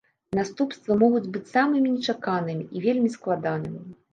Наступствы могуць быць самымі нечаканымі і вельмі складанымі.